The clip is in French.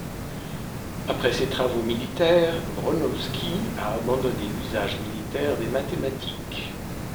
Après ses travaux militaires, Bronowski a abandonné l’usage militaire des mathématiques.